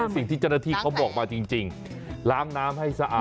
ซึ่งที่จริงโตะที่เขาบอกมาจริงร้างน้ำให้สะอาด